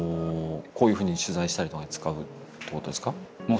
こういうふうに取材したりとかに使うってことですか？も